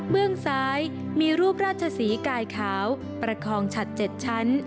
เบื้องซ้ายมีรูปราชสีไก่ขาวประคองฉัดเจ็ดชั้น